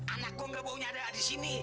anak gue gak bau nyadar di sini